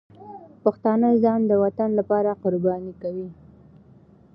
پښتانه ځان د وطن لپاره قرباني کوي.